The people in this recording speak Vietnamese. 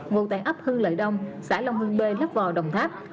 vụ tại ấp hưng lợi đông xã long hưng b lắp vò đồng tháp